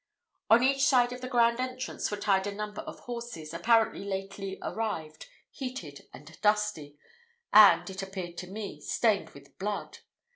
On each side of the grand entrance were tied a number of horses, apparently lately arrived, heated and dusty, and, it appeared to me, stained with blood.